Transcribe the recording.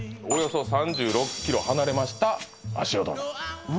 およそ３６ｋｍ離れました